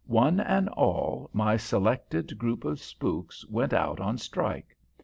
One and all, my selected group of spooks went out on strike.